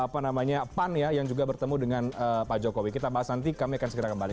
apa namanya pan ya yang juga bertemu dengan pak jokowi kita bahas nanti kami akan segera kembali